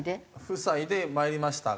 夫妻でまいりましたが。